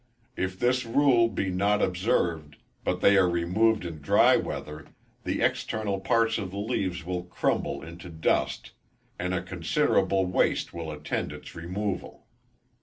If this rule be not observed, but they are removed in dry weather, the external parts of the leaves will crumble into dust, and a considerable waste will attend its removal.